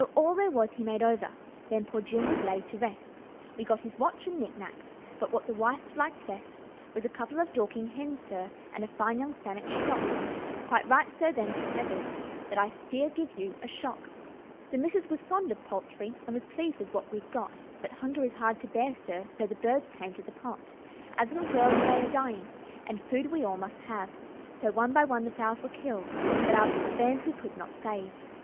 all there was he made over, Then poor Jim was laid to rest We got his watch and knicknacks, But what the wife liked best Was a couple of Dorking hens, sir, And a fine young Spanish cock; Quite right, sir, them's the feathers, That I fear give you a shock. "The missus was fond of poultry, And was pleased with what we'd got; But hunger is hard to bear, sir, So the birds came to the pot. Our little gals lay a dying, And food we all must have, So one by one the fowls were killed, But our bairns we could not save.